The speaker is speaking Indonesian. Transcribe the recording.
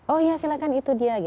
oh ya silahkan itu dia